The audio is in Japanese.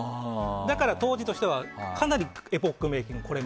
だから当時としてはかなりエポックメイキングで。